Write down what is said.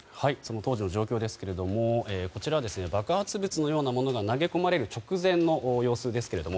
当時の状況ですが爆発物のようなものが投げ込まれる直前の様子です。